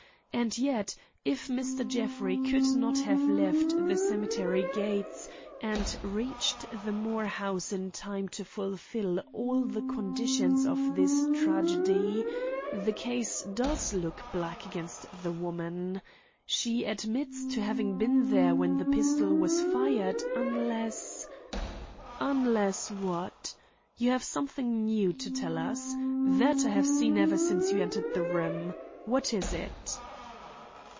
And yet, if Mr. Jeffrey could not have left the cemetery gates and reached the Moore house in time to fulfil all the conditions of this tragedy, the case does look black against the woman. She admits to having been there when the pistol was fired, unless—" "Unless what? You have something new to tell us. That I have seen ever since you entered the room. What is it?"